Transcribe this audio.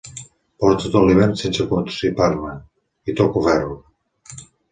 Porto tot l'hivern sense constipar-me. I toco ferro!